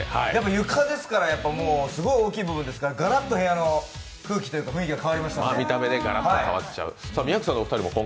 床ですからすごい大きい部分ですからガラッと部屋の雰囲気が変わりました。